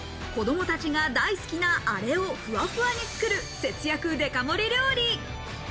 子どもたちが大好きなアレをふわふわに作る節約デカ盛り料理。